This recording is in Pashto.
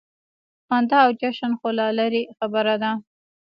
خندا او جشن خو لا لرې خبره وه.